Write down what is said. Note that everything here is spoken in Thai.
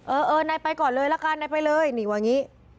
เออเออนายไปก่อนเลยละกันนายไปเลยนี่ว่าอย่างนี้